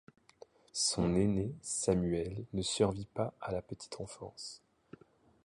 Son frère aîné, Samuel, ne survit pas à la petite enfance.